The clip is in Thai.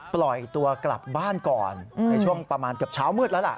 ปล่อยตัวกลับบ้านก่อนในช่วงประมาณเกือบเช้ามืดแล้วล่ะ